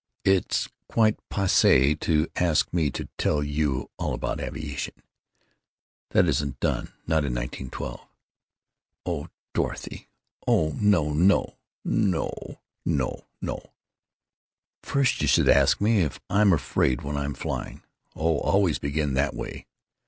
It's quite passé to ask me to tell you all about aviation. That isn't done, not in 1912. Oh Dor o thy! Oh no, no! No o! No, no. First you should ask me if I'm afraid when I'm flying. Oh, always begin that way.